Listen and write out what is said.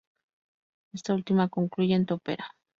Esta última concluye en topera.